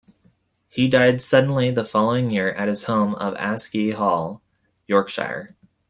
He died suddenly the following year at his home of Aske Hall, Yorkshire.